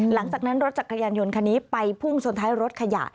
หลังจากนั้นรถจักรยานยนต์คันนี้ไปพุ่งชนท้ายรถขยะ